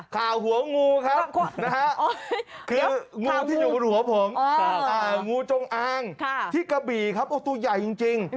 ข่าวหัวงูเรียกขัวหัวงูจงอ้างที่กะบี่หนูใจจริง